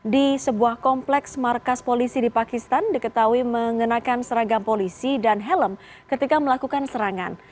di sebuah kompleks markas polisi di pakistan diketahui mengenakan seragam polisi dan helm ketika melakukan serangan